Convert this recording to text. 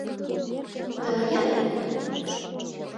Тыйын?!